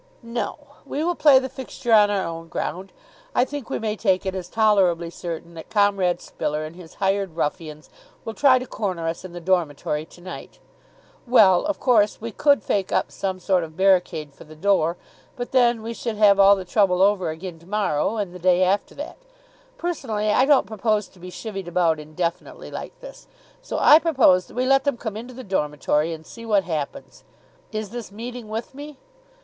"No, we will play the fixture on our own ground. I think we may take it as tolerably certain that Comrade Spiller and his hired ruffians will try to corner us in the dormitory to night. Well, of course, we could fake up some sort of barricade for the door, but then we should have all the trouble over again to morrow and the day after that. Personally I don't propose to be chivvied about indefinitely like this, so I propose that we let them come into the dormitory, and see what happens. Is this meeting with me?"